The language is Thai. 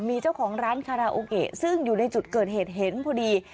มีเจ้าของร้านซึ่งอยู่ในจุดเกิดเหตุเห็นพอดี